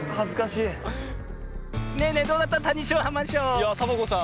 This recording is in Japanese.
いやサボ子さん